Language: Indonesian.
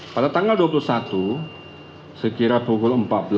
pada tanggal dua puluh satu sekira pukul empat belas